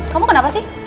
kamu kenapa sih